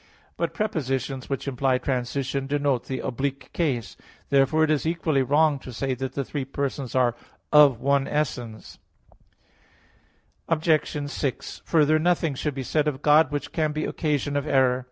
But prepositions which imply transition, denote the oblique case. Therefore it is equally wrong to say that the three persons are "of one essence [unius essentiae]." Obj. 6: Further, nothing should be said of God which can be occasion of error.